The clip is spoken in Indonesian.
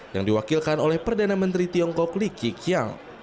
yang diwakilkan oleh perdana menteri tiongkok lee kee kyang